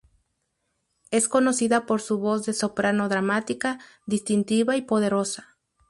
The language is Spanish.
Es conocida por su voz de soprano dramática, distintiva y poderosa.